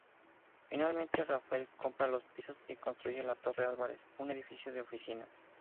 Finalmente, Rafael compra los pisos y construye la Torre Álvarez, un edificio de oficinas.